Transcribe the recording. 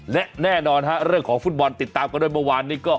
และแน่นอนฮะเรื่องของฟุตบอลติดตามกันด้วยเมื่อวานนี้ก็